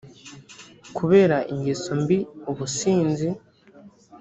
kubera ingeso mbi ubusinzi